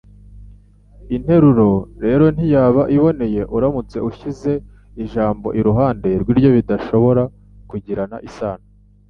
Interuro rero ntiyaba iboneye uramutse ushyize ijambo iruhande rw’iryo bidashobora kugirana isano.